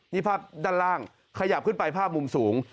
นี่ภาพด้านล่างขยับขึ้นไปภาพมุมสูง